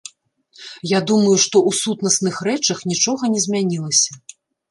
Я думаю, што ў сутнасных рэчах нічога не змянілася.